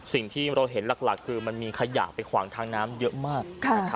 สิ่งที่เราเห็นหลักคือมันมีขยะไปขวางทางน้ำเยอะมาก